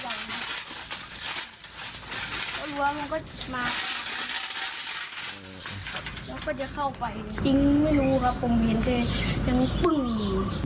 ก็รู้ว่ามันก็มาแล้วก็จะเข้าไปยิงไม่รู้ว่าผมเห็นจะยังปึ้ง